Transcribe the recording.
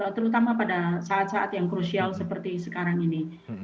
terutama pada saat saat yang krusial seperti sekarang ini